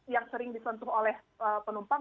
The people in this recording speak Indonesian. yang sering disentuh oleh penumpang